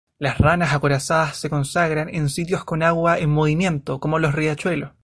La ranas acorazadas se congregan en sitios con agua en movimiento, como los riachuelos.